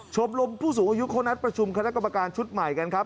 ชมรมผู้สูงอายุเขานัดประชุมคณะกรรมการชุดใหม่กันครับ